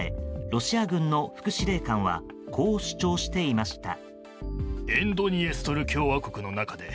ロシア軍の副司令官はこう主張していました。